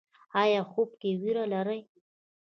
ایا خوب کې ویره لرئ؟